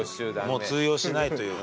もう通用しないというか。